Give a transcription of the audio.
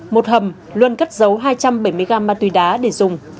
một hầm luân cất giấu hai trăm bảy mươi gram ma túy đá để dùng